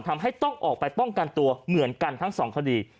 ทำให้ต้องออกไปป้องกันตัวเหมือนกันทั้งสองคดี